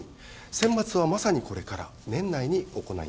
選抜はまさにこれから年内に行います。